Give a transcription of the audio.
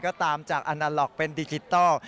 ก็ตามจากอนาล็อกเป็นดิจิทัล